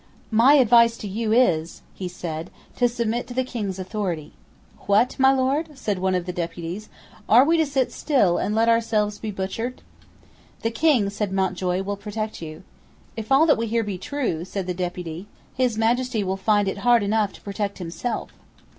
"My advice to you is," he said, "to submit to the King's authority." "What, my Lord?" said one of the deputies; "Are we to sit still and let ourselves be butchered?" "The King," said Mountjoy, "will protect you." "If all that we hear be true," said the deputy, "his Majesty will find it hard enough to protect himself."